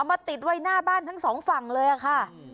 มาติดไว้หน้าบ้านทั้งสองฝั่งเลยค่ะ